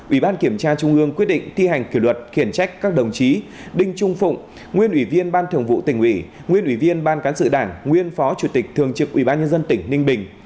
ủy ban kiểm tra trung ương quyết định thi hành kỷ luật khiển trách các đồng chí đinh trung phụng nguyên ủy viên ban thường vụ tỉnh ủy nguyên ủy viên ban cán sự đảng nguyên phó chủ tịch thường trực ủy ban nhân dân tỉnh ninh bình